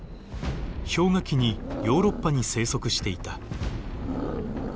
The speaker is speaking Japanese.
氷河期にヨーロッパに生息していた。